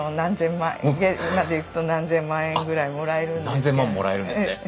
あっ何千万もらえるんですね。